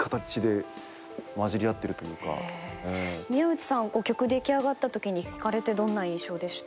宮内さん曲出来上がったときに聴かれてどんな印象でした？